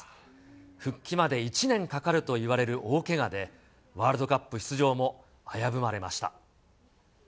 復帰まで１年かかるといわれる大けがで、ワールドカップ出場も危ぶまれました。